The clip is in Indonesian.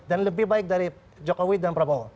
dan lebih baik dari jokowi dan prabowo